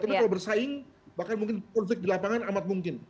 tapi kalau bersaing bahkan mungkin konflik di lapangan amat mungkin